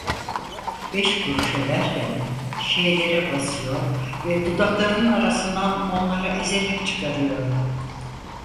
"Beş kuruşa!" derken "ş"lere basıyor ve dudaklarının arasından onları ezerek çıkarıyordu.